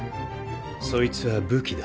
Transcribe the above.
そいつは武器だ。